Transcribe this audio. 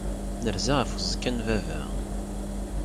Nerza ɣef uẓekka n baba.